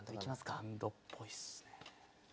バンドっぽいっすね。